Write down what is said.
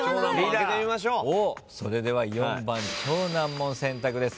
それでは４番超難問選択です。